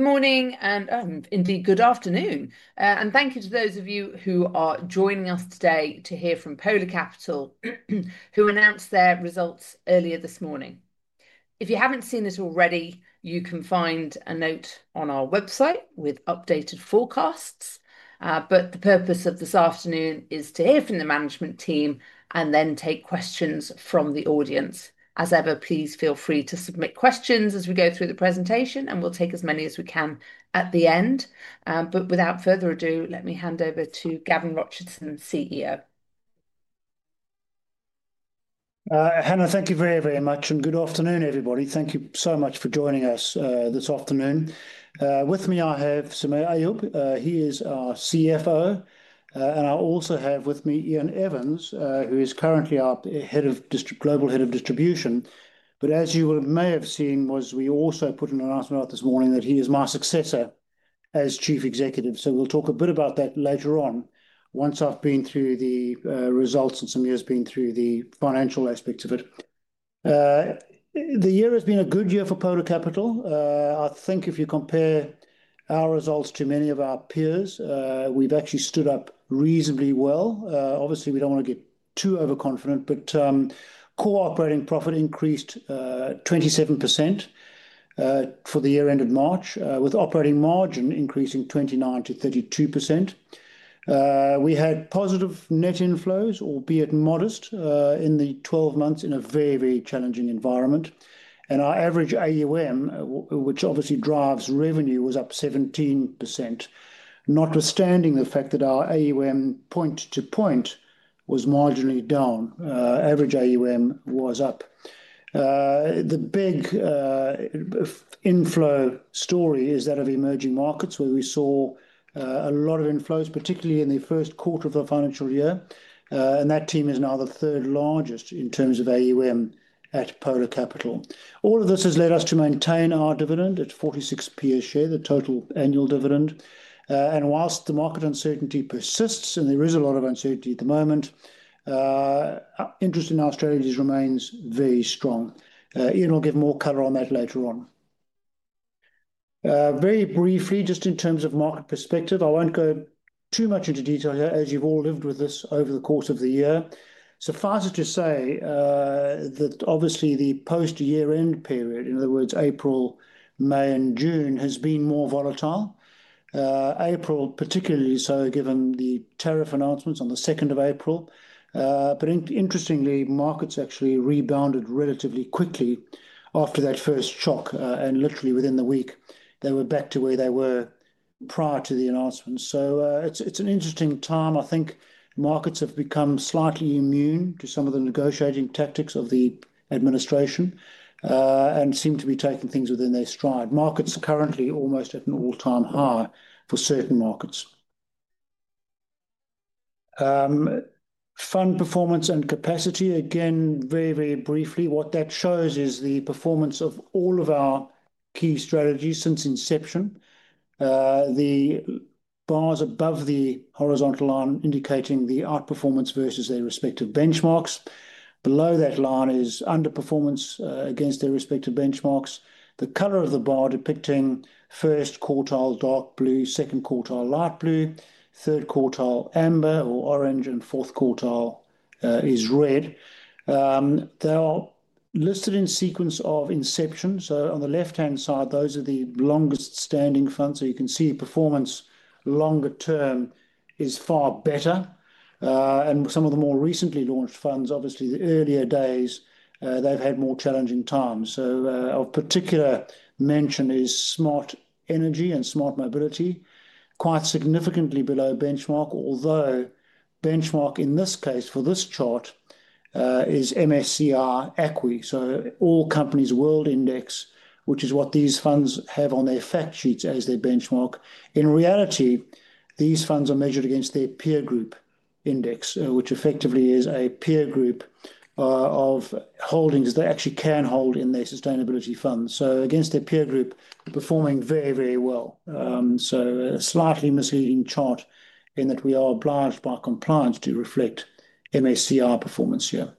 Good morning, and indeed good afternoon. Thank you to those of you who are joining us today to hear from Polar Capital, who announced their results earlier this morning. If you have not seen it already, you can find a note on our website with updated forecasts. The purpose of this afternoon is to hear from the management team and then take questions from the audience. As ever, please feel free to submit questions as we go through the presentation, and we will take as many as we can at the end. Without further ado, let me hand over to Gavin Rochussen, CEO. Hannah, thank you very, very much, and good afternoon, everybody. Thank you so much for joining us this afternoon. With me, I have Samir Ayub. He is our CFO. I also have with me Iain Evans, who is currently our Global Head of Distribution. As you may have seen, we also put an announcement out this morning that he is my successor as Chief Executive. We will talk a bit about that later on, once I have been through the results and Samir has been through the financial aspects of it. The year has been a good year for Polar Capital. I think if you compare our results to many of our peers, we have actually stood up reasonably well. Obviously, we do not want to get too overconfident, but core operating profit increased 27% for the year-end of March, with operating margin increasing 29% to 32%. We had positive net inflows, albeit modest, in the 12 months in a very, very challenging environment. Our average AUM, which obviously drives revenue, was up 17%, notwithstanding the fact that our AUM point to point was marginally down. Average AUM was up. The big inflow story is that of emerging markets, where we saw a lot of inflows, particularly in the first quarter of the financial year. That team is now the third largest in terms of AUM at Polar Capital. All of this has led us to maintain our dividend at 46% share, the total annual dividend. Whilst the market uncertainty persists, and there is a lot of uncertainty at the moment, interest in Australia remains very strong. Iain will give more color on that later on. Very briefly, just in terms of market perspective, I won't go too much into detail here, as you've all lived with this over the course of the year. Suffice it to say that obviously the post-year-end period, in other words, April, May, and June, has been more volatile. April, particularly so, given the tariff announcements on the 2nd of April. Interestingly, markets actually rebounded relatively quickly after that first shock. Literally within the week, they were back to where they were prior to the announcement. It is an interesting time. I think markets have become slightly immune to some of the negotiating tactics of the administration and seem to be taking things within their stride. Markets are currently almost at an all-time high for certain markets. Fund performance and capacity, again, very, very briefly. What that shows is the performance of all of our key strategies since inception. The bars above the horizontal line indicating the outperformance versus their respective benchmarks. Below that line is underperformance against their respective benchmarks. The color of the bar depicting first quartile dark blue, second quartile light blue, third quartile amber or orange, and fourth quartile is red. They are listed in sequence of inception. On the left-hand side, those are the longest-standing funds. You can see performance longer term is far better. Some of the more recently launched funds, obviously the earlier days, they've had more challenging times. Of particular mention is Smart Energy and Smart Mobility, quite significantly below benchmark, although benchmark in this case for this chart is MSCI ACWI, so All Country World Index, which is what these funds have on their fact sheets as their benchmark. In reality, these funds are measured against their peer group index, which effectively is a peer group of holdings that actually can hold in their sustainability funds. Against their peer group, performing very, very well. A slightly misleading chart in that we are obliged by compliance to reflect MSCI performance here.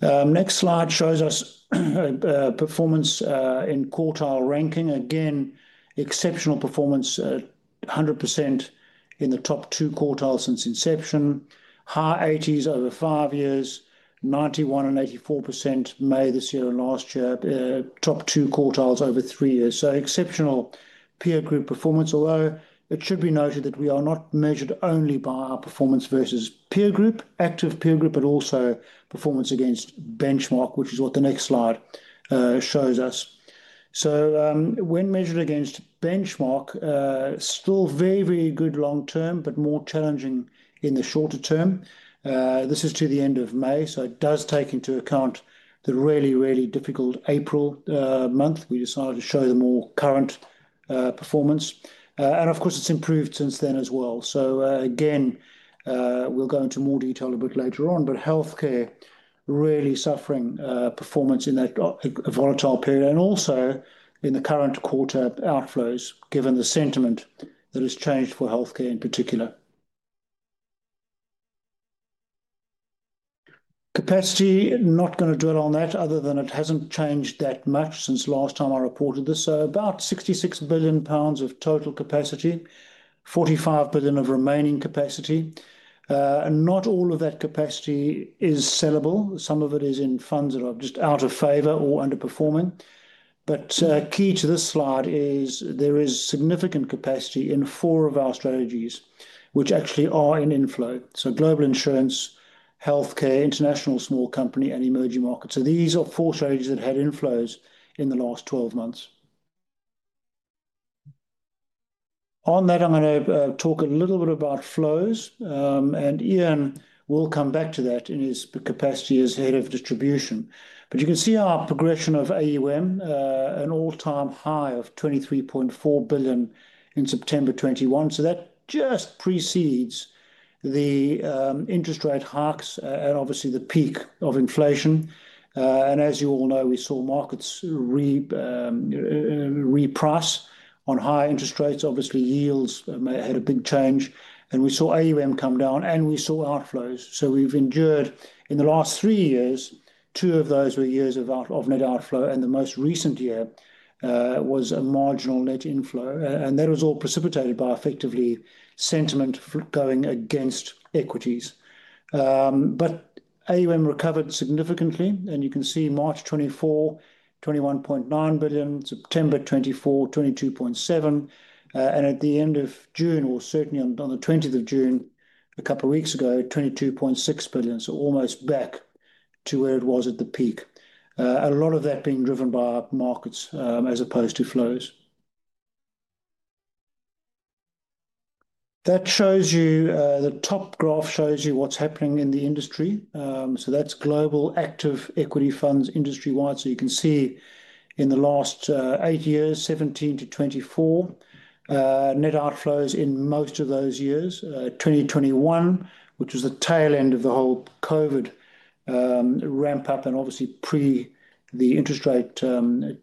Next slide shows us performance in quartile ranking. Again, exceptional performance, 100% in the top two quartiles since inception. High 80s over five years, 91% and 84% May this year and last year, top two quartiles over three years. Exceptional peer group performance. Although it should be noted that we are not measured only by our performance versus peer group, active peer group, but also performance against benchmark, which is what the next slide shows us. When measured against benchmark, still very, very good long term, but more challenging in the shorter term. This is to the end of May, so it does take into account the really, really difficult April month. We decided to show the more current performance. Of course, it's improved since then as well. Again, we'll go into more detail a bit later on, but healthcare really suffering performance in that volatile period and also in the current quarter outflows, given the sentiment that has changed for healthcare in particular. Capacity, not going to dwell on that other than it hasn't changed that much since last time I reported this. So about 66 billion pounds of total capacity, 45 billion of remaining capacity. Not all of that capacity is sellable. Some of it is in funds that are just out of favor or underperforming. Key to this slide is there is significant capacity in four of our strategies, which actually are in inflow. Global insurance, healthcare, international small company, and emerging markets. These are four strategies that had inflows in the last 12 months. On that, I'm going to talk a little bit about flows. Iain will come back to that in his capacity as Head of Distribution. You can see our progression of AUM, an all-time high of 23.4 billion in September 2021. That just precedes the interest rate hikes and obviously the peak of inflation. As you all know, we saw markets reprice on high interest rates. Yields had a big change. We saw AUM come down, and we saw outflows. We've endured in the last three years, two of those were years of net outflow, and the most recent year was a marginal net inflow. That was all precipitated by effectively sentiment going against equities. AUM recovered significantly. You can see March 2024, 21.9 billion, September 2024, 22.7 billion. At the end of June, or certainly on the 20th of June, a couple of weeks ago, 22.6 billion. Almost back to where it was at the peak. A lot of that being driven by markets as opposed to flows. That shows you the top graph shows you what is happening in the industry. That is global active equity funds industry-wide. You can see in the last eight years, 2017 to 2024, net outflows in most of those years. 2021, which was the tail end of the whole COVID ramp-up and obviously pre the interest rate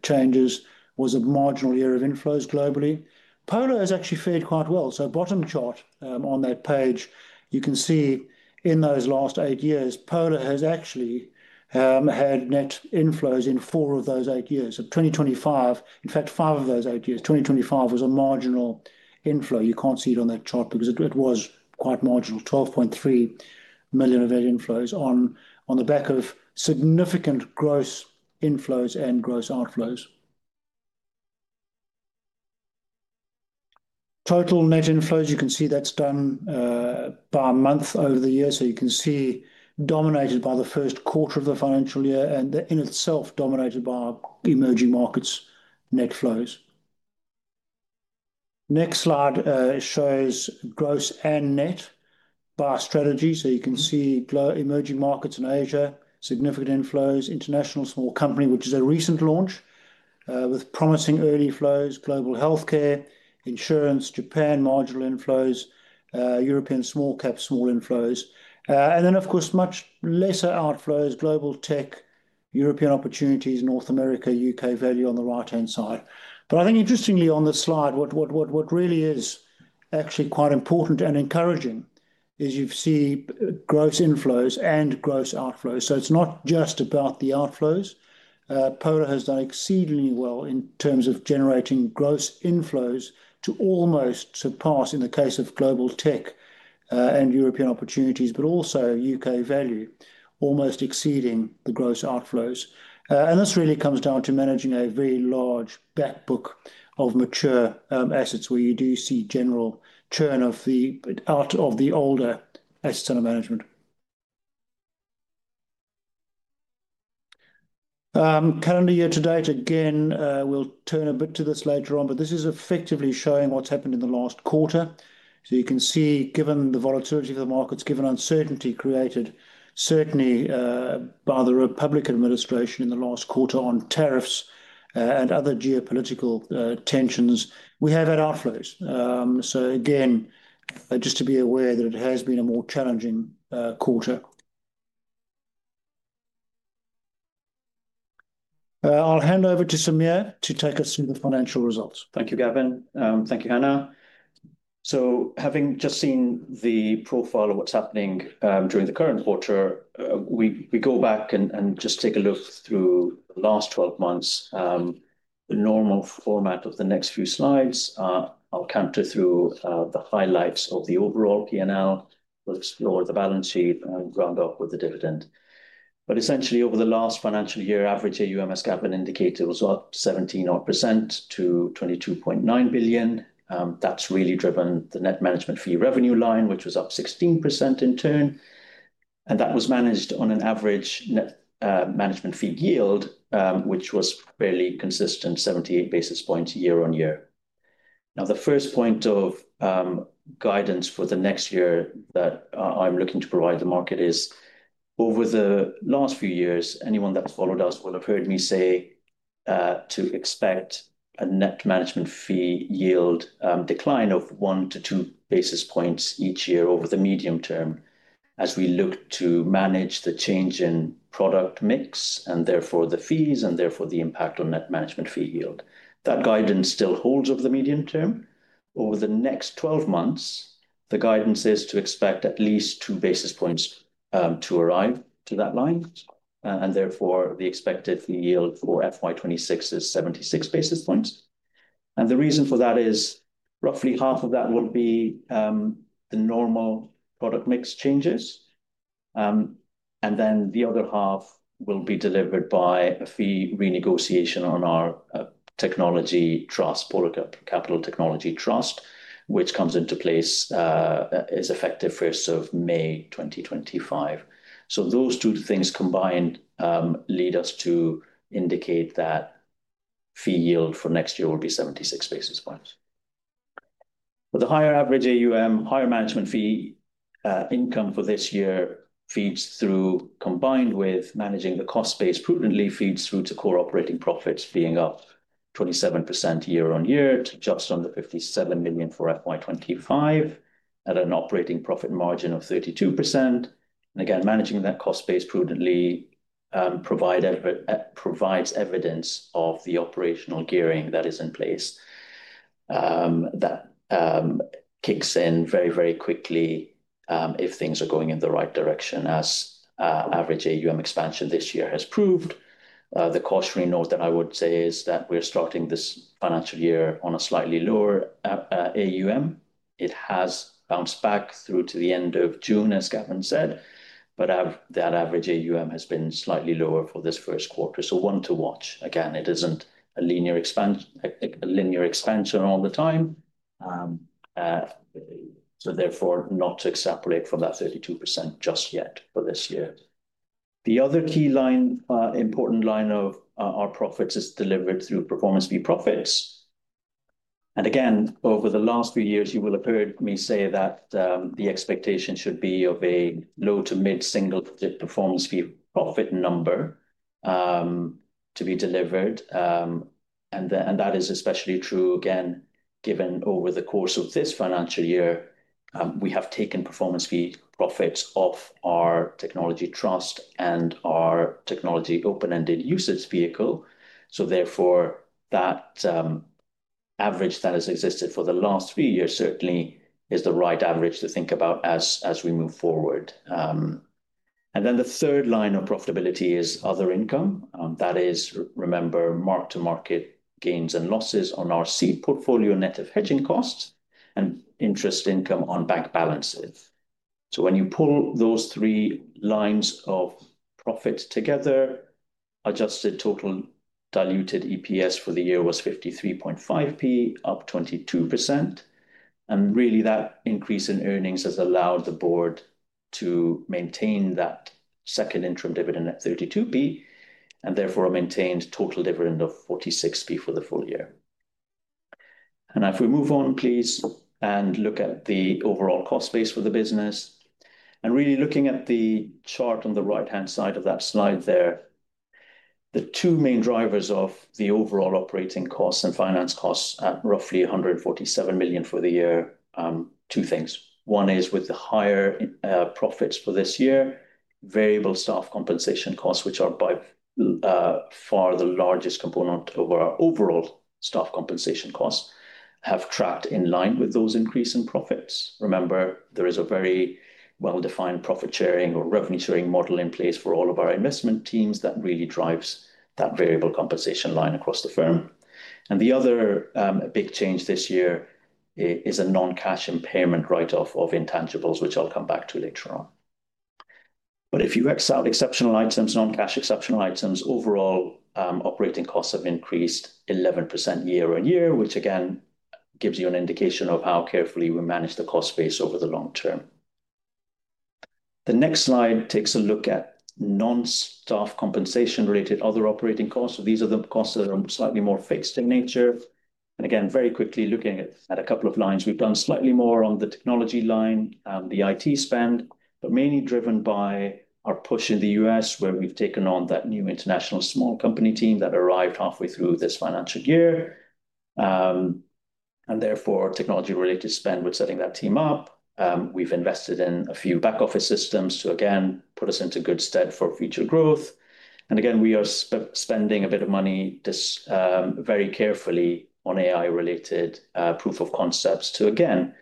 changes, was a marginal year of inflows globally. Polar has actually fared quite well. The bottom chart on that page, you can see in those last eight years, Polar has actually had net inflows in four of those eight years. 2025, in fact, five of those eight years, 2025 was a marginal inflow. You cannot see it on that chart because it was quite marginal, 12.3 million of net inflows on the back of significant gross inflows and gross outflows. Total net inflows, you can see that is done by month over the year. You can see dominated by the first quarter of the financial year and in itself dominated by emerging markets net flows. Next slide shows gross and net by strategy. You can see emerging markets and Asia, significant inflows, International Small Company, which is a recent launch with promising early flows, Global Healthcare, Insurance, Japan, marginal inflows, European small cap, small inflows. Then, of course, much lesser outflows, Global Technology, European Opportunities, North America, UK Value on the right-hand side. I think interestingly on the slide, what really is actually quite important and encouraging is you see gross inflows and gross outflows. It's not just about the outflows. Polar has done exceedingly well in terms of generating gross inflows to almost surpass in the case of Global Technology and European Opportunities, but also U.K. Value, almost exceeding the gross outflows. This really comes down to managing a very large backbook of mature assets where you do see general churn of the older assets under management. Calendar year to date, again, we'll turn a bit to this later on, but this is effectively showing what's happened in the last quarter. You can see, given the volatility of the markets, given uncertainty created certainly by the Republican administration in the last quarter on tariffs and other geopolitical tensions, we have had outflows. Again, just to be aware that it has been a more challenging quarter. I'll hand over to Samir to take us through the financial results. Thank you, Gavin. Thank you, Hannah. Having just seen the profile of what's happening during the current quarter, we go back and just take a look through the last 12 months. The normal format of the next few slides, I'll count it through the highlights of the overall P&L. We'll explore the balance sheet and round up with the dividend. Essentially, over the last financial year, average AUM as Gavin indicated was up 17% to 22.9 billion. That's really driven the net management fee revenue line, which was up 16% in turn. That was managed on an average net management fee yield, which was fairly consistent, 78 basis points year on year. Now, the first point of guidance for the next year that I'm looking to provide the market is over the last few years, anyone that's followed us will have heard me say to expect a net management fee yield decline of one to two basis points each year over the medium term as we look to manage the change in product mix and therefore the fees and therefore the impact on net management fee yield. That guidance still holds over the medium term. Over the next 12 months, the guidance is to expect at least two basis points to arrive to that line. Therefore, the expected fee yield for FY2026 is 76 basis points. The reason for that is roughly half of that will be the normal product mix changes. The other half will be delivered by a fee renegotiation on our technology trust, Polar Capital Technology Trust, which comes into place as effective 1st of May 2025. Those two things combined lead us to indicate that fee yield for next year will be 76 basis points. The higher average AUM, higher management fee income for this year feeds through, combined with managing the cost base prudently, feeds through to core operating profits being up 27% year on year to just under 57 million for FY2025 at an operating profit margin of 32%. Again, managing that cost base prudently provides evidence of the operational gearing that is in place. That kicks in very, very quickly if things are going in the right direction, as average AUM expansion this year has proved. The cautionary note that I would say is that we're starting this financial year on a slightly lower AUM. It has bounced back through to the end of June, as Gavin said, but that average AUM has been slightly lower for this first quarter. One to watch. Again, it isn't a linear expansion all the time. Therefore, not to extrapolate from that 32% just yet for this year. The other key line, important line of our profits is delivered through performance fee profits. Again, over the last few years, you will have heard me say that the expectation should be of a low to mid-single digit performance fee profit number to be delivered. That is especially true, again, given over the course of this financial year, we have taken performance fee profits off our Technology Trust and our technology open-ended UCITS vehicle. Therefore, that average that has existed for the last few years certainly is the right average to think about as we move forward. The third line of profitability is other income. That is, remember, mark to market gains and losses on our seed portfolio net of hedging costs and interest income on bank balances. When you pull those three lines of profit together, adjusted total diluted EPS for the year was 0.535, up 22%. Really, that increase in earnings has allowed the board to maintain that second interim dividend at 0.32 and therefore maintained total dividend of 0.46 for the full year. If we move on, please, and look at the overall cost base for the business. Really looking at the chart on the right-hand side of that slide there, the two main drivers of the overall operating costs and finance costs at roughly 147 million for the year, two things. One is with the higher profits for this year, variable staff compensation costs, which are by far the largest component of our overall staff compensation costs, have tracked in line with those increasing profits. Remember, there is a very well-defined profit sharing or revenue sharing model in place for all of our investment teams that really drives that variable compensation line across the firm. The other big change this year is a non-cash impairment write-off of intangibles, which I'll come back to later on. If you except exceptional items, non-cash exceptional items, overall operating costs have increased 11% year on year, which again gives you an indication of how carefully we manage the cost base over the long term. The next slide takes a look at non-staff compensation related other operating costs. These are the costs that are slightly more fixed in nature. Very quickly looking at a couple of lines, we've done slightly more on the technology line and the IT spend, but mainly driven by our push in the U.S., where we've taken on that new International Small Company team that arrived halfway through this financial year. Therefore, technology-related spend, we're setting that team up. We've invested in a few back office systems to, again, put us into good stead for future growth. We are spending a bit of money very carefully on AI-related proof of concepts to, again,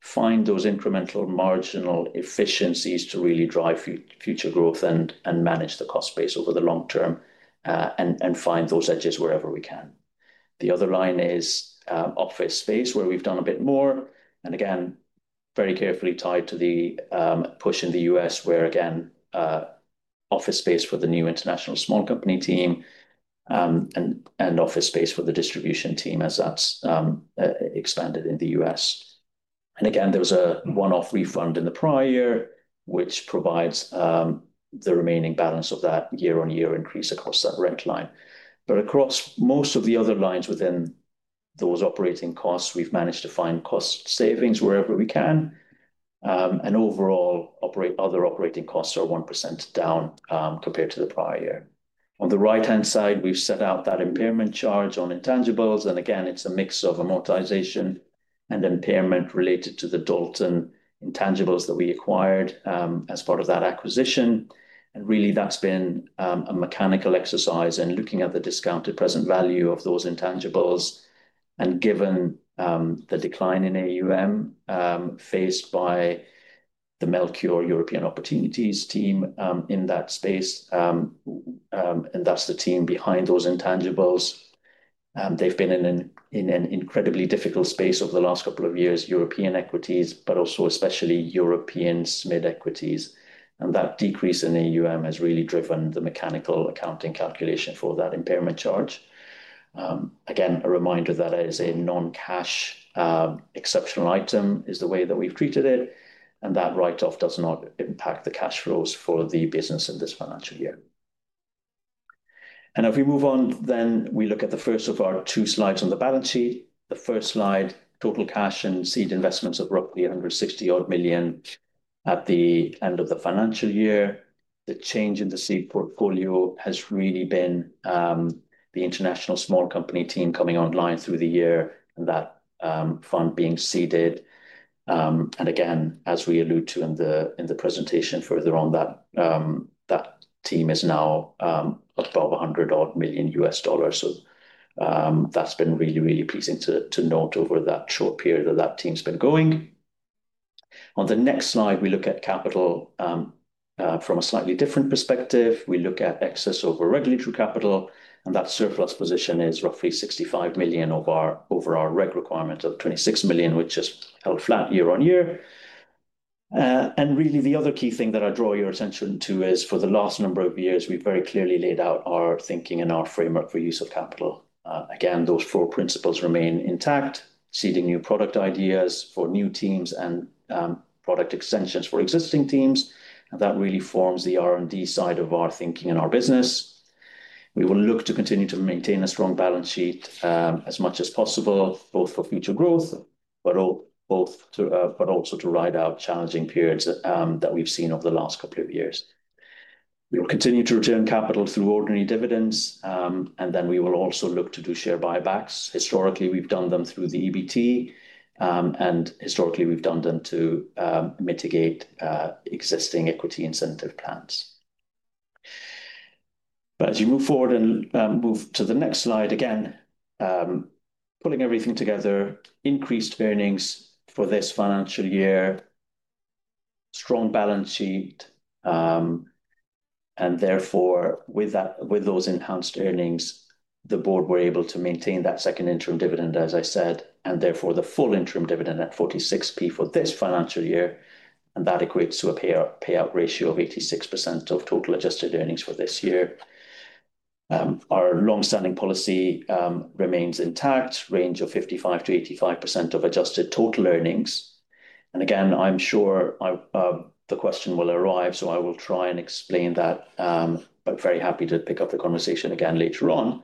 find those incremental marginal efficiencies to really drive future growth and manage the cost base over the long term and find those edges wherever we can. The other line is office space, where we have done a bit more. Very carefully tied to the push in the U.S., office space for the new International Small Company team and office space for the distribution team as that has expanded in the U.S. There was a one-off refund in the prior year, which provides the remaining balance of that year-on-year increase across that rent line. Across most of the other lines within those operating costs, we have managed to find cost savings wherever we can. Overall, other operating costs are 1% down compared to the prior year. On the right-hand side, we've set out that impairment charge on intangibles. Again, it's a mix of amortization and impairment related to the Dalton intangibles that we acquired as part of that acquisition. Really, that's been a mechanical exercise in looking at the discounted present value of those intangibles and given the decline in AUM faced by the Melchior European Opportunities team in that space. That's the team behind those intangibles. They've been in an incredibly difficult space over the last couple of years, European equities, but also especially European mid equities. That decrease in AUM has really driven the mechanical accounting calculation for that impairment charge. Again, a reminder that as a non-cash exceptional item is the way that we've treated it. That write-off does not impact the cash flows for the business in this financial year. If we move on, we look at the first of our two slides on the balance sheet. The first slide, total cash and seed investments of roughly 160 million at the end of the financial year. The change in the seed portfolio has really been the International Small Company team coming online through the year and that fund being seeded. As we allude to in the presentation further on, that team is now above $100 million. That has been really, really pleasing to note over that short period that that team's been going. On the next slide, we look at capital from a slightly different perspective. We look at excess over regulatory capital. That surplus position is roughly 65 million over our reg requirement of 26 million, which has held flat year on year. Really, the other key thing that I draw your attention to is for the last number of years, we have very clearly laid out our thinking and our framework for use of capital. Again, those four principles remain intact, seeding new product ideas for new teams and product extensions for existing teams. That really forms the R&D side of our thinking and our business. We will look to continue to maintain a strong balance sheet as much as possible, both for future growth, but also to ride out challenging periods that we have seen over the last couple of years. We will continue to return capital through ordinary dividends. We will also look to do share buybacks. Historically, we have done them through the EBT. Historically, we have done them to mitigate existing equity incentive plans. As you move forward and move to the next slide, again, pulling everything together, increased earnings for this financial year, strong balance sheet. Therefore, with those enhanced earnings, the board were able to maintain that second interim dividend, as I said, and therefore the full interim dividend at GBP 46p for this financial year. That equates to a payout ratio of 86% of total adjusted earnings for this year. Our long-standing policy remains intact, range of 55%-85% of adjusted total earnings. Again, I'm sure the question will arrive, so I will try and explain that, but very happy to pick up the conversation again later on.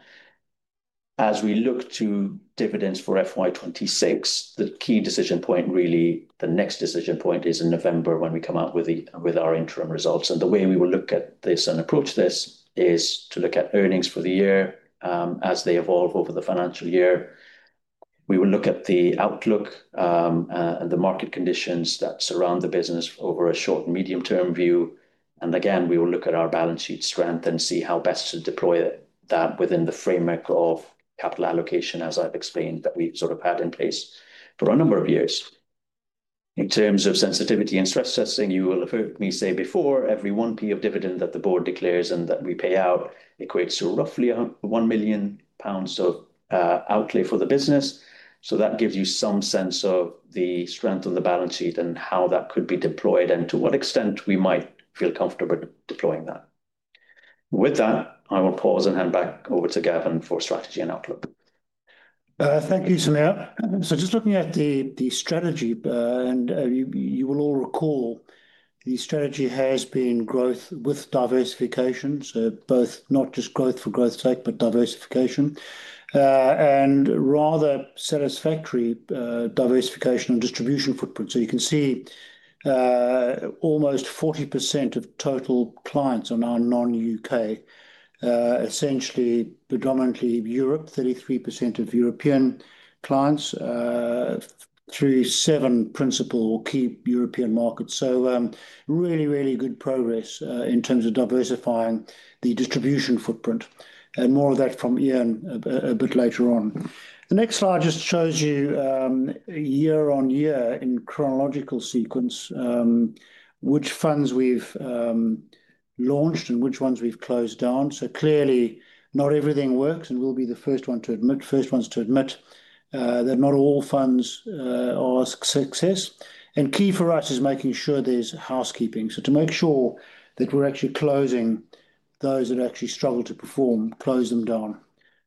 As we look to dividends for FY2026, the key decision point, really the next decision point is in November when we come out with our interim results. The way we will look at this and approach this is to look at earnings for the year as they evolve over the financial year. We will look at the outlook and the market conditions that surround the business over a short and medium-term view. Again, we will look at our balance sheet strength and see how best to deploy that within the framework of capital allocation, as I have explained, that we have sort of had in place for a number of years. In terms of sensitivity and stress testing, you will have heard me say before every 0.01 of dividend that the board declares and that we pay out equates to roughly 1 million pounds of outlay for the business. That gives you some sense of the strength on the balance sheet and how that could be deployed and to what extent we might feel comfortable deploying that. With that, I will pause and hand back over to Gavin for strategy and outlook. Thank you, Samir. Just looking at the strategy, and you will all recall the strategy has been growth with diversification, so both not just growth for growth's sake, but diversification and rather satisfactory diversification and distribution footprint. You can see almost 40% of total clients are non-U.K., essentially predominantly Europe, 33% of European clients through seven principal key European markets. Really, really good progress in terms of diversifying the distribution footprint. More of that from Iain a bit later on. The next slide just shows you year on year in chronological sequence which funds we've launched and which ones we've closed down. Clearly, not everything works, and we'll be the first ones to admit that not all funds are a success. Key for us is making sure there's housekeeping. To make sure that we're actually closing those that actually struggle to perform, close them down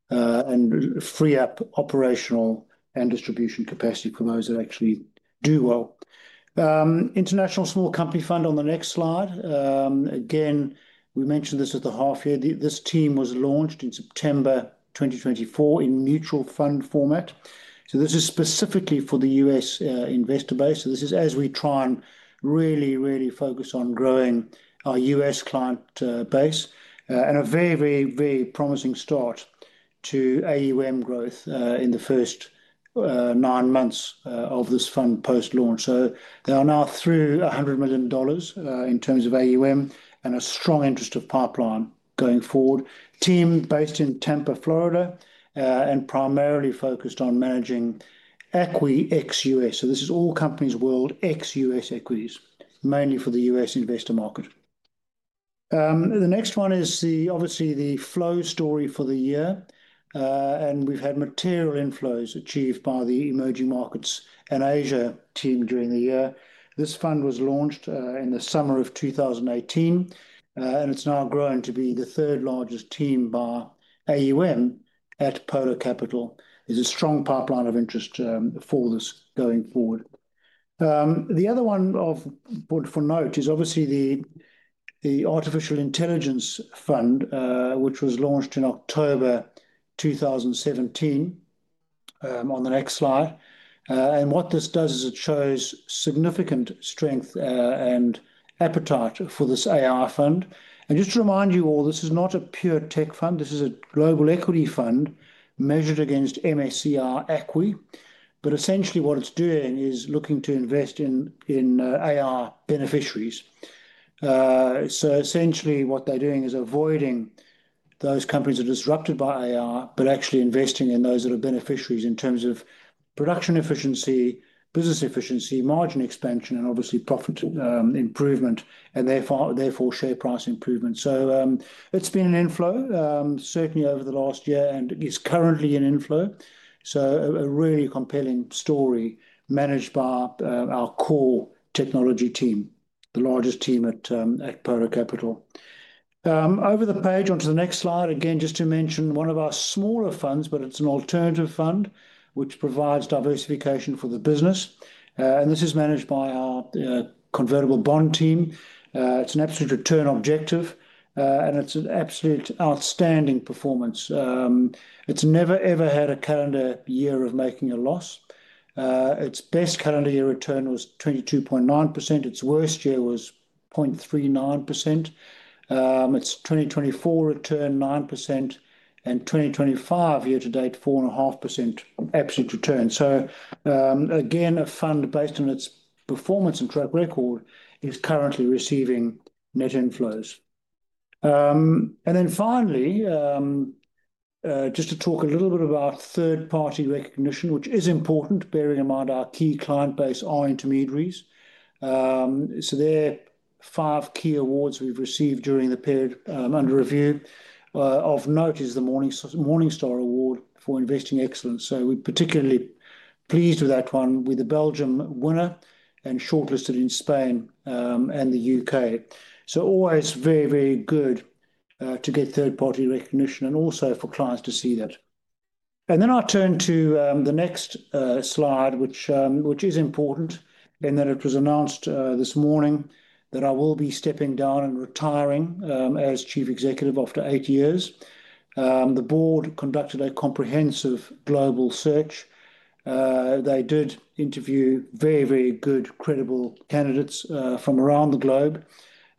and free up operational and distribution capacity for those that actually do well. International Small Company Fund on the next slide. Again, we mentioned this at the half year. This team was launched in September 2024 in mutual fund format. This is specifically for the U.S. investor base. This is as we try and really, really focus on growing our U.S. client base and a very, very, very promising start to AUM growth in the first nine months of this fund post-launch. They are now through $100 million in terms of AUM and a strong interest of pipeline going forward. Team based in Tampa, Florida, and primarily focused on managing equity ex U.S. This is all companies world ex U.S. equities, mainly for the U.S. investor market. The next one is obviously the flow story for the year. We have had material inflows achieved by the Emerging Markets and Asia team during the year. This fund was launched in the summer of 2018. It is now growing to be the third largest team by AUM at Polar Capital. There is a strong pipeline of interest for this going forward. The other one for note is obviously the Artificial Intelligence Fund, which was launched in October 2017 on the next slide. What this does is it shows significant strength and appetite for this AI fund. Just to remind you all, this is not a pure tech fund. This is a global equity fund measured against MSCI equity. Essentially, what it is doing is looking to invest in AI beneficiaries. Essentially, what they're doing is avoiding those companies that are disrupted by AI, but actually investing in those that are beneficiaries in terms of production efficiency, business efficiency, margin expansion, and obviously profit improvement, and therefore share price improvement. It's been an inflow, certainly over the last year, and it's currently an inflow. A really compelling story managed by our core technology team, the largest team at Polar Capital. Over the page onto the next slide, just to mention one of our smaller funds, but it's an alternative fund which provides diversification for the business. This is managed by our convertible bond team. It's an absolute return objective, and it's an absolutely outstanding performance. It's never, ever had a calendar year of making a loss. Its best calendar year return was 22.9%. Its worst year was 0.39%. Its 2024 return 9% and 2025 year to date 4.5% absolute return. A fund based on its performance and track record is currently receiving net inflows. Finally, just to talk a little bit about third-party recognition, which is important, bearing in mind our key client base are intermediaries. There are five key awards we have received during the period under review. Of note is the Morningstar Award for Investing Excellence. We are particularly pleased with that one, with the Belgium winner and shortlisted in Spain and the U.K. It is always very, very good to get third-party recognition and also for clients to see that. I will turn to the next slide, which is important, in that it was announced this morning that I will be stepping down and retiring as Chief Executive after eight years. The board conducted a comprehensive global search. They did interview very, very good, credible candidates from around the globe.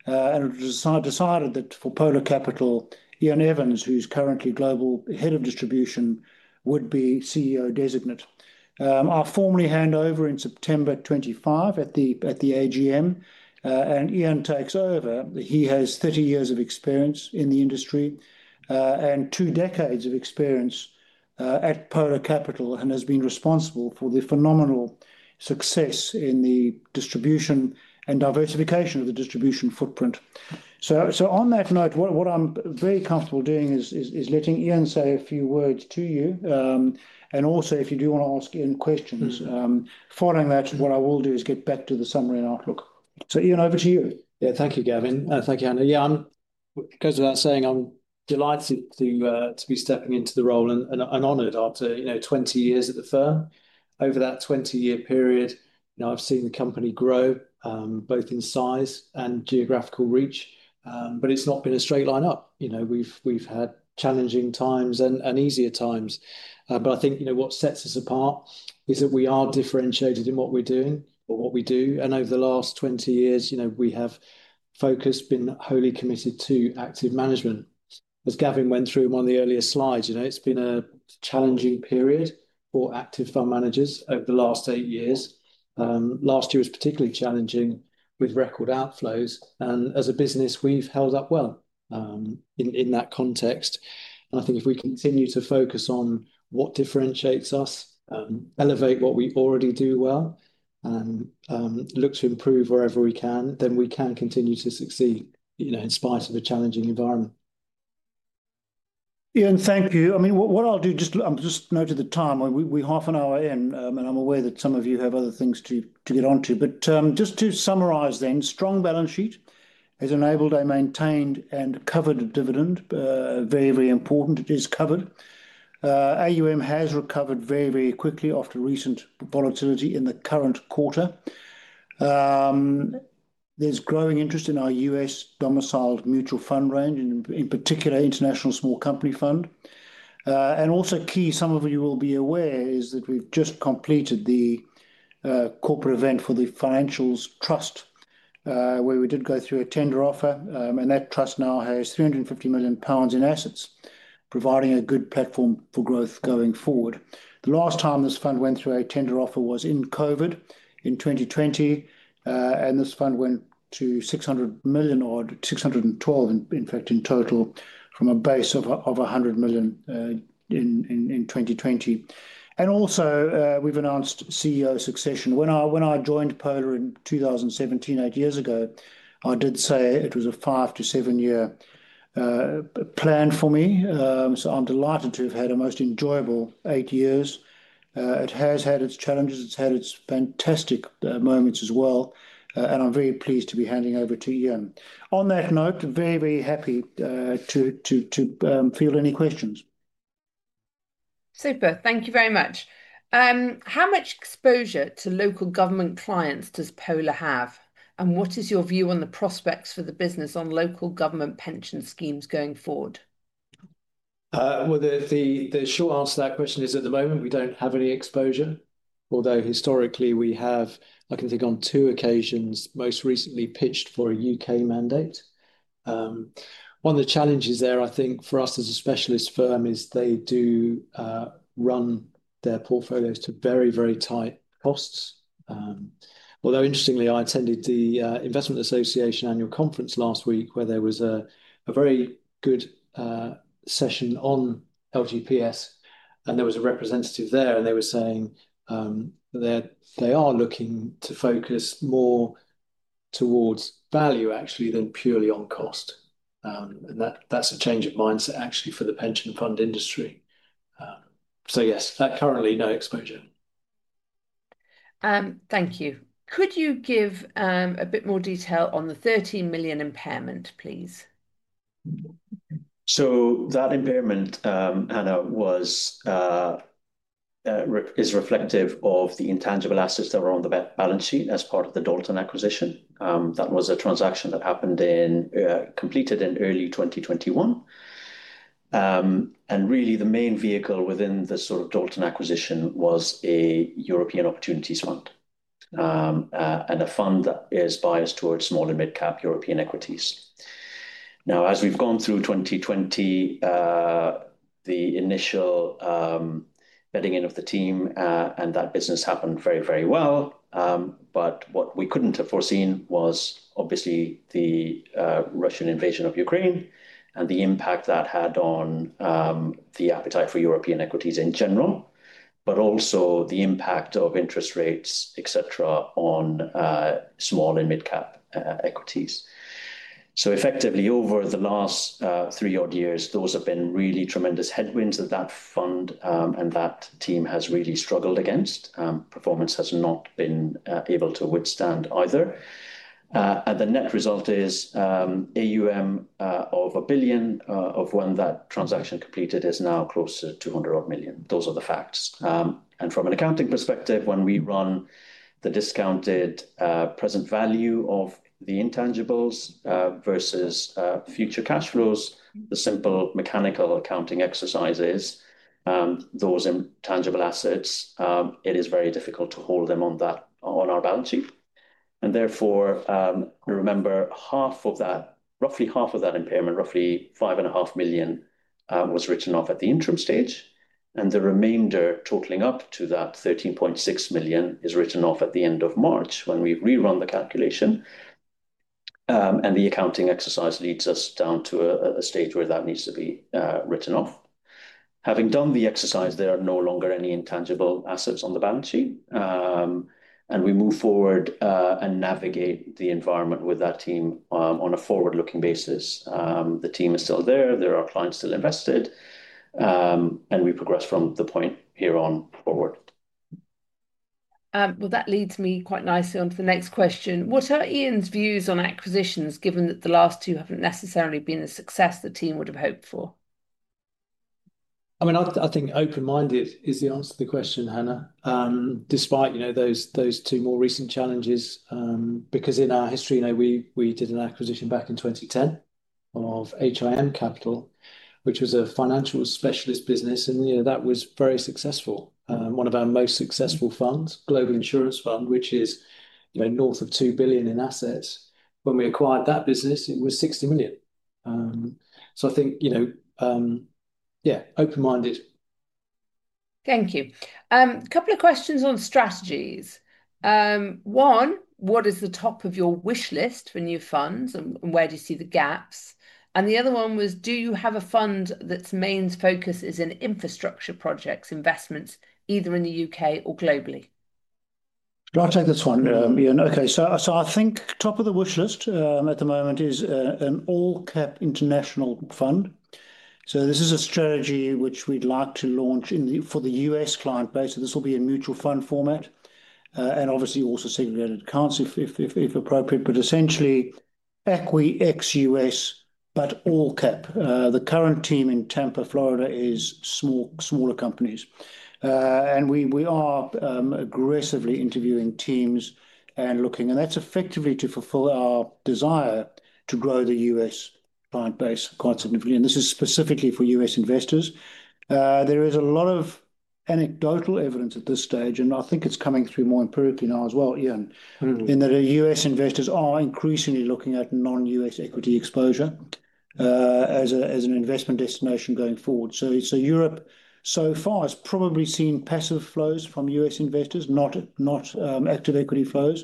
It was decided that for Polar Capital, Iain Evans, who's currently Global Head of Distribution, would be CEO designate. I'll formally hand over in September 2025 at the AGM. Iain takes over. He has 30 years of experience in the industry and two decades of experience at Polar Capital and has been responsible for the phenomenal success in the distribution and diversification of the distribution footprint. On that note, what I'm very comfortable doing is letting Iain say a few words to you. Also, if you do want to ask Iain questions, following that, what I will do is get back to the summary and outlook. Iain, over to you. Yeah, thank you, Gavin. Thank you, Hannah. Yeah, I'm going to say I'm delighted to be stepping into the role and honored after 20 years at the firm. Over that 20-year period, I've seen the company grow both in size and geographical reach, but it's not been a straight line up. We've had challenging times and easier times. I think what sets us apart is that we are differentiated in what we're doing or what we do. Over the last 20 years, we have focused, been wholly committed to active management. As Gavin went through one of the earlier slides, it's been a challenging period for active fund managers over the last eight years. Last year was particularly challenging with record outflows. As a business, we've held up well in that context. I think if we continue to focus on what differentiates us, elevate what we already do well, and look to improve wherever we can, then we can continue to succeed in spite of a challenging environment. Iain, thank you. I mean, what I'll do, just I'm just noting the time. We're half an hour in, and I'm aware that some of you have other things to get onto. Just to summarize then, strong balance sheet has enabled a maintained and covered dividend. Very, very important. It is covered. AUM has recovered very, very quickly after recent volatility in the current quarter. There is growing interest in our US domiciled mutual fund range, in particular, International Small Company Fund. Also key, some of you will be aware, is that we've just completed the corporate event for the Financials Trust, where we did go through a tender offer. That trust now has 350 million pounds in assets, providing a good platform for growth going forward. The last time this fund went through a tender offer was in COVID in 2020. This fund went to 600 million or 612 million, in fact, in total from a base of 100 million in 2020. Also, we have announced CEO succession. When I joined Polar in 2017, eight years ago, I did say it was a five to seven-year plan for me. I am delighted to have had a most enjoyable eight years. It has had its challenges. It has had its fantastic moments as well. I am very pleased to be handing over to Iain. On that note, very, very happy to field any questions. Super. Thank you very much. How much exposure to local government clients does Polar have? What is your view on the prospects for the business on Local Government Pension Schemes going forward? The short answer to that question is, at the moment, we do not have any exposure. Although historically, we have, I can think on two occasions, most recently pitched for a U.K. mandate. One of the challenges there, I think, for us as a specialist firm is they do run their portfolios to very, very tight costs. Interestingly, I attended the Investment Association Annual Conference last week, where there was a very good session on LGPS. There was a representative there, and they were saying they are looking to focus more towards value, actually, than purely on cost. That is a change of mindset, actually, for the pension fund industry. Yes, currently, no exposure. Thank you. Could you give a bit more detail on the 13 million impairment, please? That impairment, Hannah, is reflective of the intangible assets that were on the balance sheet as part of the Dalton acquisition. That was a transaction that happened in, completed in early 2021. Really, the main vehicle within the sort of Dalton acquisition was a European Opportunities Fund and a fund that is biased towards small and mid-cap European equities. Now, as we have gone through 2020, the initial bedding in of the team and that business happened very, very well. What we could not have foreseen was, obviously, the Russian invasion of Ukraine and the impact that had on the appetite for European equities in general, but also the impact of interest rates, etc., on small and mid-cap equities. Effectively, over the last three odd years, those have been really tremendous headwinds that that fund and that team has really struggled against. Performance has not been able to withstand either. The net result is AUM of 1 billion when that transaction completed is now close to 200 million. Those are the facts. From an accounting perspective, when we run the discounted present value of the intangibles versus future cash flows, the simple mechanical accounting exercises, those intangible assets, it is very difficult to hold them on our balance sheet. Therefore, remember, roughly half of that impairment, roughly 5.5 million, was written off at the interim stage. The remainder, totaling up to that 13.6 million, is written off at the end of March when we rerun the calculation. The accounting exercise leads us down to a stage where that needs to be written off. Having done the exercise, there are no longer any intangible assets on the balance sheet. We move forward and navigate the environment with that team on a forward-looking basis. The team is still there. There are clients still invested. We progress from the point here on forward. That leads me quite nicely on to the next question. What are Iain's views on acquisitions, given that the last two have not necessarily been a success the team would have hoped for? I mean, I think open-minded is the answer to the question, Hannah, despite those two more recent challenges. Because in our history, we did an acquisition back in 2010 of HIM Capital, which was a financial specialist business. That was very successful. One of our most successful funds, Global Insurance Fund, which is north of 2 billion in assets. When we acquired that business, it was 60 million. I think, yeah, open-minded. Thank you. A couple of questions on strategies. One, what is the top of your wish list for new funds and where do you see the gaps? The other one was, do you have a fund that's main focus is in infrastructure projects, investments, either in the U.K. or globally? Can I take this one, Iain? Okay. I think top of the wish list at the moment is an all-cap international fund. This is a strategy which we'd like to launch for the US client base. This will be a mutual fund format and obviously also segregated accounts if appropriate. Essentially, equity ex US, but all cap. The current team in Tampa, Florida is smaller companies. We are aggressively interviewing teams and looking. That's effectively to fulfill our desire to grow the U.S. client base quite significantly. This is specifically for U.S. investors. There is a lot of anecdotal evidence at this stage, and I think it's coming through more empirically now as well, Iain, in that U.S. investors are increasingly looking at non-U.S. equity exposure as an investment destination going forward. Europe so far has probably seen passive flows from U.S. investors, not active equity flows.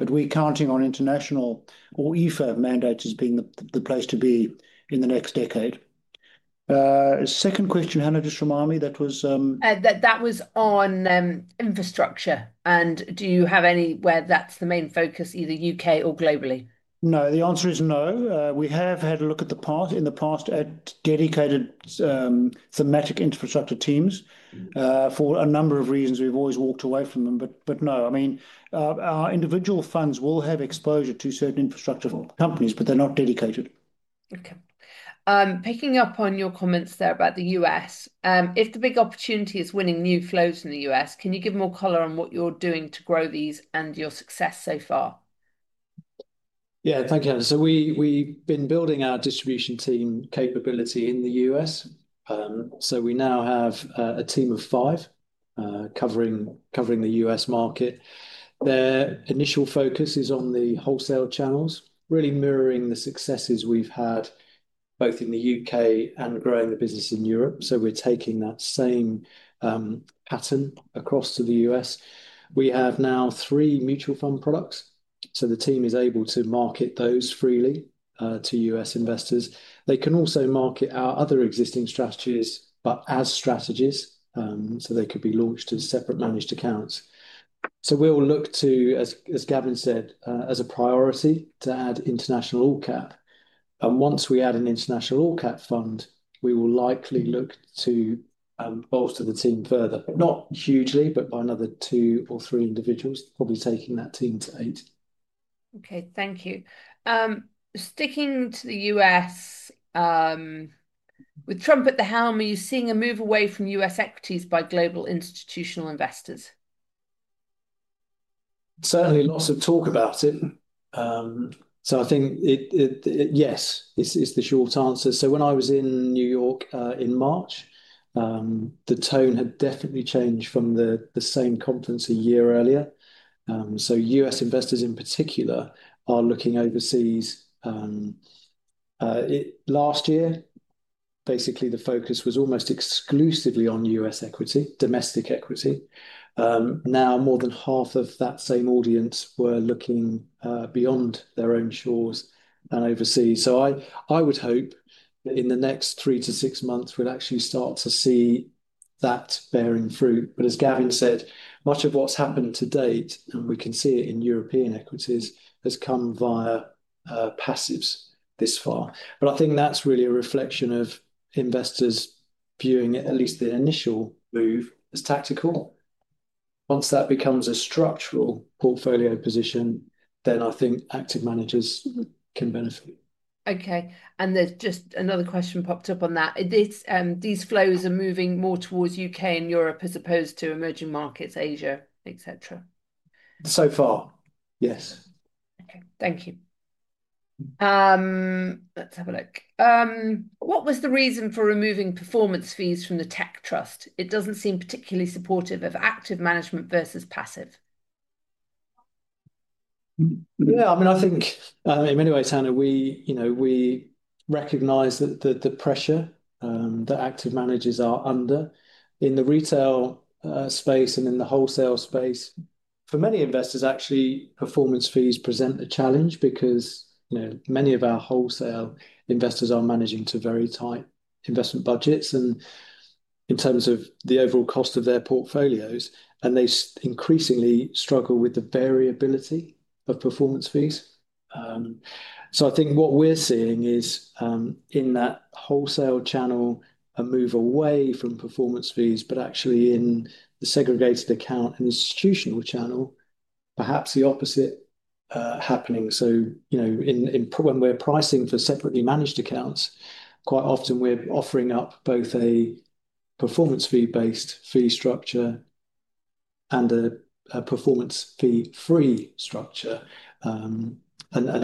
We are counting on international or EFA mandates as being the place to be in the next decade. Second question, Hannah, just remind me what that was. That was on infrastructure. Do you have anywhere that's the main focus, either U.K. or globally? No, the answer is no. We have had a look in the past at dedicated thematic infrastructure teams for a number of reasons. We have always walked away from them. No, I mean, our individual funds will have exposure to certain infrastructure companies, but they are not dedicated. Okay. Picking up on your comments there about the U.S., if the big opportunity is winning new flows in the U.S., can you give more color on what you're doing to grow these and your success so far? Yeah, thank you, Hannah. We have been building our distribution team capability in the U.S. We now have a team of five covering the U.S. market. Their initial focus is on the wholesale channels, really mirroring the successes we've had both in the U.K. and growing the business in Europe. We are taking that same pattern across to the U.S. We have now three mutual fund products. The team is able to market those freely to U.S. investors. They can also market our other existing strategies, but as strategies, so they could be launched as separate managed accounts. We'll look to, as Gavin said, as a priority to add international all-cap. Once we add an international all-cap fund, we will likely look to bolster the team further, not hugely, but by another two or three individuals, probably taking that team to eight. Okay, thank you. Sticking to the U.S., with Trump at the helm, are you seeing a move away from U.S. equities by global institutional investors? Certainly, lots of talk about it. I think, yes, is the short answer. When I was in New York in March, the tone had definitely changed from the same conference a year earlier. U.S. investors in particular are looking overseas. Last year, basically, the focus was almost exclusively on U.S. equity, domestic equity. Now, more than half of that same audience were looking beyond their own shores and overseas. I would hope that in the next three to six months, we'll actually start to see that bearing fruit. As Gavin said, much of what's happened to date, and we can see it in European equities, has come via passives this far. I think that's really a reflection of investors viewing at least the initial move as tactical. Once that becomes a structural portfolio position, then I think active managers can benefit. Okay. There's just another question popped up on that. These flows are moving more towards the U.K. and Europe as opposed to emerging markets, Asia, etc.? So far, yes. Okay, thank you. Let's have a look. What was the reason for removing performance fees from the tech trust? It doesn't seem particularly supportive of active management versus passive. Yeah, I mean, I think in many ways, Hannah, we recognize that the pressure that active managers are under in the retail space and in the wholesale space, for many investors, actually, performance fees present a challenge because many of our wholesale investors are managing to very tight investment budgets and in terms of the overall cost of their portfolios. They increasingly struggle with the variability of performance fees. I think what we're seeing is in that wholesale channel, a move away from performance fees, but actually in the segregated account and institutional channel, perhaps the opposite happening. When we're pricing for separately managed accounts, quite often we're offering up both a performance fee-based fee structure and a performance fee-free structure and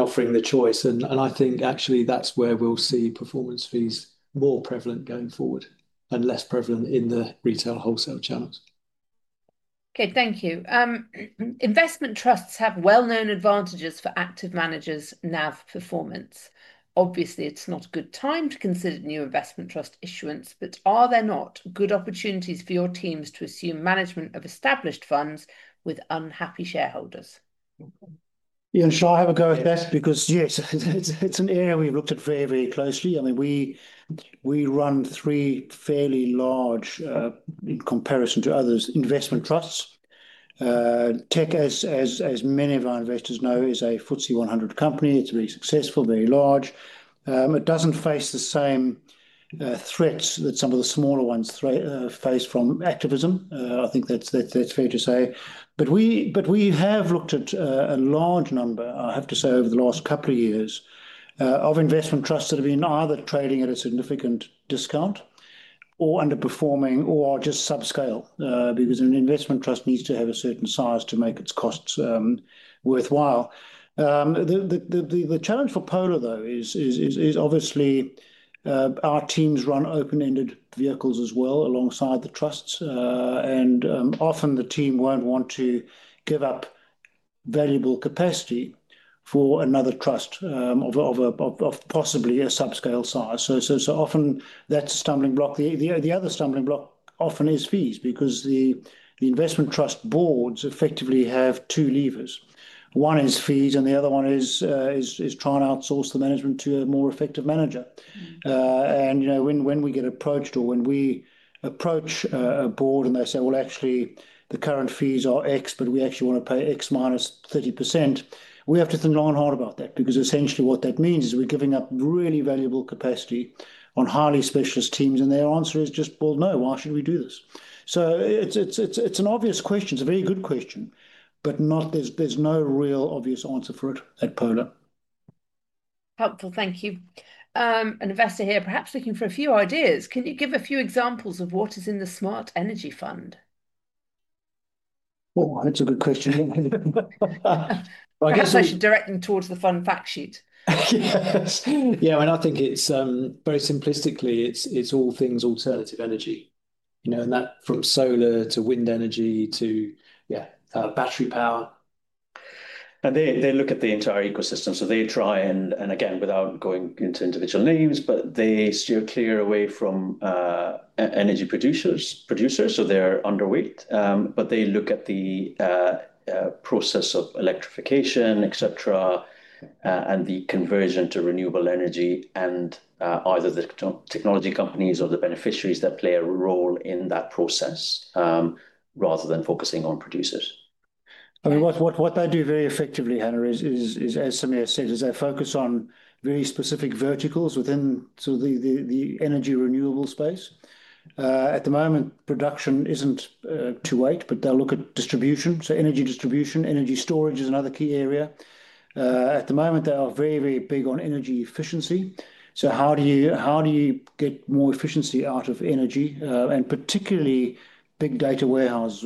offering the choice. I think, actually, that's where we'll see performance fees more prevalent going forward and less prevalent in the retail wholesale channels. Okay, thank you. Investment trusts have well-known advantages for active managers' NAV performance. Obviously, it's not a good time to consider new investment trust issuance, but are there not good opportunities for your teams to assume management of established funds with unhappy shareholders? Yeah, I'm sure I have a go at that because, yes, it's an area we've looked at very, very closely. I mean, we run three fairly large, in comparison to others, investment trusts. Tech, as many of our investors know, is a FTSE 100 company. It's very successful, very large. It doesn't face the same threats that some of the smaller ones face from activism. I think that's fair to say. We have looked at a large number, I have to say, over the last couple of years of investment trusts that have been either trading at a significant discount or underperforming or just subscale because an investment trust needs to have a certain size to make its costs worthwhile. The challenge for Polar, though, is obviously our teams run open-ended vehicles as well alongside the trusts. Often the team will not want to give up valuable capacity for another trust of possibly a subscale size. Often that is a stumbling block. The other stumbling block often is fees because the investment trust boards effectively have two levers. One is fees, and the other one is trying to outsource the management to a more effective manager. When we get approached or when we approach a board and they say, "Well, actually, the current fees are X, but we actually want to pay X minus 30%," we have to think long and hard about that because essentially what that means is we're giving up really valuable capacity on highly specialist teams. Their answer is just, "Well, no, why should we do this?" It is an obvious question. It is a very good question, but there is no real obvious answer for it at Polar Capital. Helpful. Thank you. An investor here perhaps looking for a few ideas. Can you give a few examples of what is in the Smart Energy Fund? That is a good question. I guess. That is actually directing towards the fund factsheet. Yes. I think it is very simplistically, it is all things alternative energy. That from solar to wind energy to, yeah, battery power. They look at the entire ecosystem. They try and, again, without going into individual names, steer clear away from energy producers. They are underweight. They look at the process of electrification, etc., and the conversion to renewable energy and either the technology companies or the beneficiaries that play a role in that process rather than focusing on producers. I mean, what they do very effectively, Hannah, as Samir said, is they focus on very specific verticals within the energy renewable space. At the moment, production is not too wide, but they will look at distribution. Energy distribution, energy storage is another key area. At the moment, they are very, very big on energy efficiency. How do you get more efficiency out of energy? Particularly big data warehouses,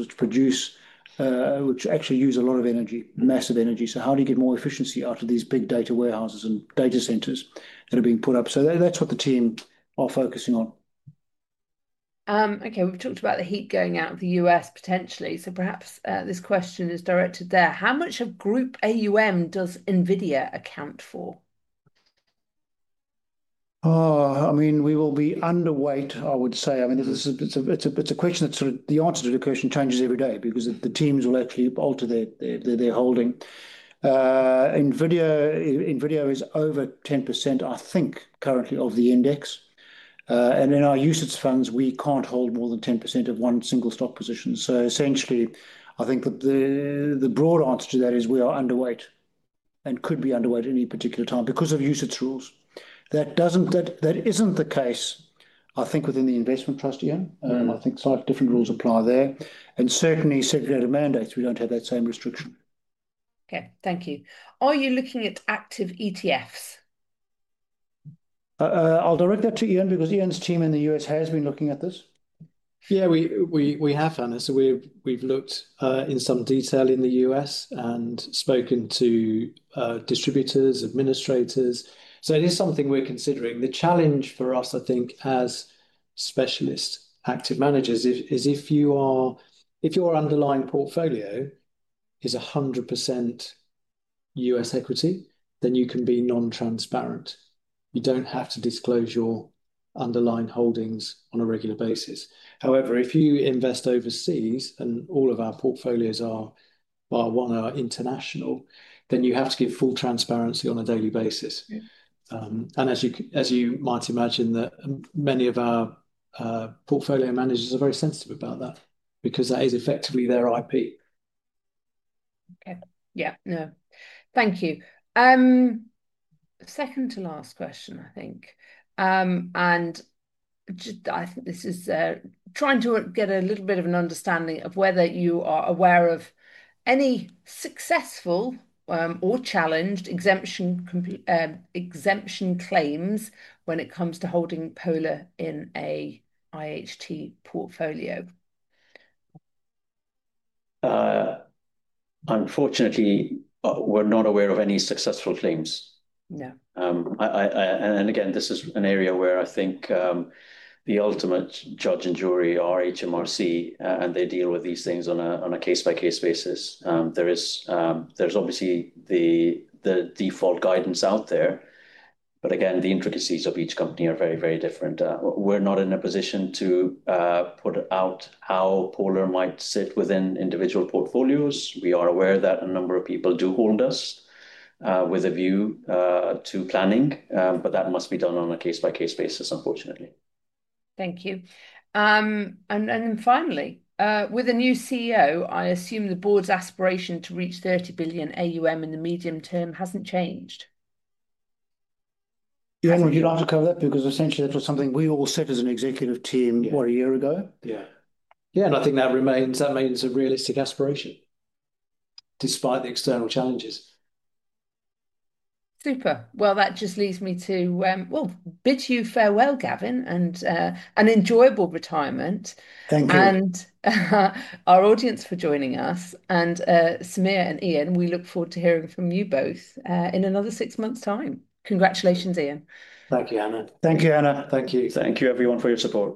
which actually use a lot of energy, massive energy. How do you get more efficiency out of these big data warehouses and data centers that are being put up? That is what the team are focusing on. Okay. We have talked about the heat going out of the U.S. potentially. Perhaps this question is directed there. How much of Group AUM does NVIDIA account for? I mean, we will be underweight, I would say. I mean, it is a question that sort of the answer to the question changes every day because the teams will actually alter their holding. NVIDIA is over 10%, I think, currently of the index. In our usage funds, we cannot hold more than 10% of one single stock position. Essentially, I think that the broad answer to that is we are underweight and could be underweight at any particular time because of usage rules. That is not the case, I think, within the investment trust, Iain. I think five different rules apply there. Certainly, segregated mandates, we do not have that same restriction. Okay. Thank you. Are you looking at active ETFs? I will direct that to Iain because Iain's team in the U.S. has been looking at this. Yeah, we have, Hannah. We have looked in some detail in the U.S. and spoken to distributors, administrators. It is something we are considering. The challenge for us, I think, as specialist active managers, is if your underlying portfolio is 100% U.S. equity, then you can be non-transparent. You do not have to disclose your underlying holdings on a regular basis. However, if you invest overseas and all of our portfolios are, well, one are international, then you have to give full transparency on a daily basis. As you might imagine, many of our portfolio managers are very sensitive about that because that is effectively their IP. Okay. Yeah. No. Thank you. Second to last question, I think. I think this is trying to get a little bit of an understanding of whether you are aware of any successful or challenged exemption claims when it comes to holding Polar in an IHT portfolio. Unfortunately, we're not aware of any successful claims. Again, this is an area where I think the ultimate judge and jury are HMRC, and they deal with these things on a case-by-case basis. There is obviously the default guidance out there. Again, the intricacies of each company are very, very different. We're not in a position to put out how Polar might sit within individual portfolios. We are aware that a number of people do hold us with a view to planning, but that must be done on a case-by-case basis, unfortunately. Thank you. Finally, with a new CEO, I assume the board's aspiration to reach 30 billion AUM in the medium term hasn't changed. Yeah, no, you don't have to cover that because essentially that was something we all said as an executive team about a year ago. Yeah. Yeah. I think that remains a realistic aspiration despite the external challenges. Super. That just leads me to bid you farewell, Gavin, and an enjoyable retirement. Thank you. And our audience for joining us. Samir and Iain, we look forward to hearing from you both in another six months' time. Congratulations, Iain. Thank you, Hannah. Thank you, Hannah.Thank you. Thank you, everyone, for your support.